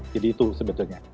jadi itu sebetulnya